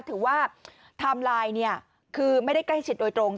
ถือว่าไทม์ไลน์เนี่ยคือไม่ได้ใกล้ชิดโดยตรง